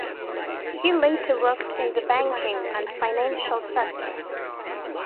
He later worked in the banking and financial sectors.